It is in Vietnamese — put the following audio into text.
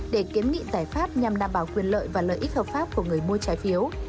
để kiến nghị giải pháp nhằm đảm bảo quyền lợi và lợi ích hợp pháp của người mua trái phiếu